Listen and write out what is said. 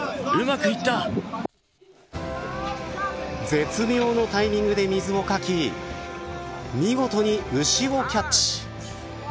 絶妙のタイミングで水をかき見事に牛をキャッチ。